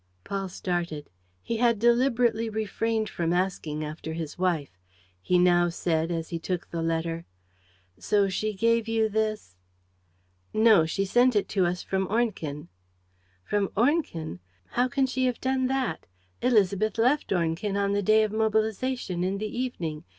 Paul started. He had deliberately refrained from asking after his wife. He now said, as he took the letter: "So she gave you this ...?" "No, she sent it to us from Ornequin." "From Ornequin? How can she have done that? Élisabeth left Ornequin on the day of mobilization, in the evening.